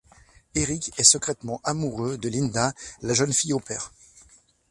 Éric est secrètement amoureux de Linda, la jeune fille au pair.